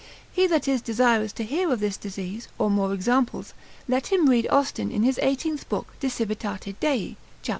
He that is desirous to hear of this disease, or more examples, let him read Austin in his 18th book de Civitate Dei, cap.